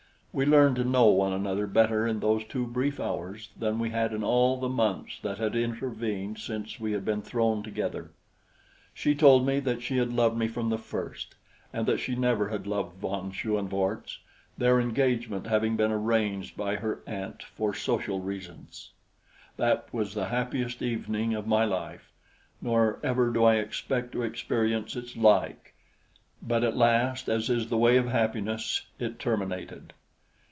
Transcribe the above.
We learned to know one another better in those two brief hours than we had in all the months that had intervened since we had been thrown together. She told me that she had loved me from the first, and that she never had loved von Schoenvorts, their engagement having been arranged by her aunt for social reasons. That was the happiest evening of my life; nor ever do I expect to experience its like; but at last, as is the way of happiness, it terminated.